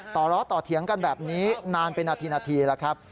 ต่อเลาะต่อเถียงกันแบบนี้นานเป็นนาทีนะครับ